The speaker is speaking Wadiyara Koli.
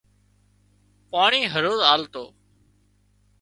پاڻي هروز آلتو